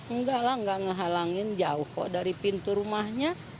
enggak lah nggak ngehalangin jauh kok dari pintu rumahnya